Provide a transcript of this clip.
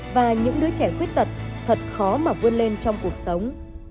và những đứa trẻ khuyết tật thật khó mà vươn lên trong cuộc sống